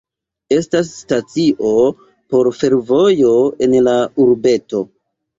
Estas stacio por fervojo en la urbeto.